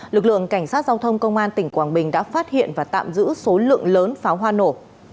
lực lượng cảnh sát giao thông công an tỉnh quảng bình đã phát hiện và tạm giữ số lượng lớn pháo hoa nổ